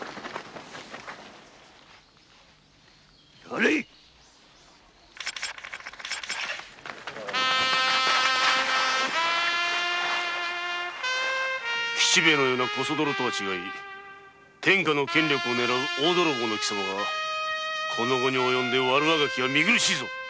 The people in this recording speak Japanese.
やれい吉兵衛のようなコソ泥と違い天下の権力を狙う大泥棒の貴様がこの期におよんで悪あがきは見苦しいぞ。